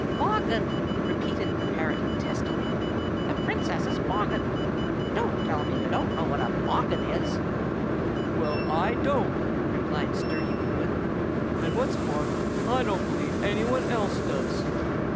"Bogghun," repeated the parrot testily. "The Princess's bogghun! Don't tell me you don't know what a bogghun is!" "Well, I don't," replied sturdy Bruin; "and what's more, I don't believe any one else does!"